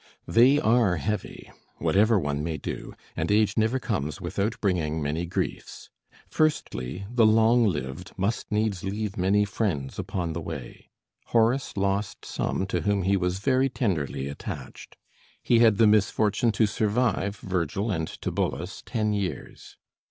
They are heavy, whatever one may do, and age never comes without bringing many griefs. Firstly, the long lived must needs leave many friends upon the way. Horace lost some to whom he was very tenderly attached. He had the misfortune to survive Virgil and Tibullus ten years.